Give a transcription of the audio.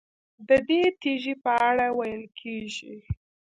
ددې تیږې په اړه ویل کېږي.